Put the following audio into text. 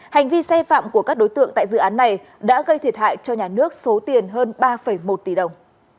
hành vi sai phạm của các đối tượng tại dự án này đã gây thiệt hại cho nhà nước số tiền hơn ba một tỷ đồng